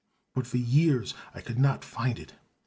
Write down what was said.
But for years I could not find it.